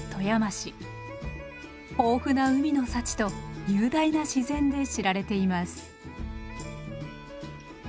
豊富な海の幸と雄大な自然で知られています。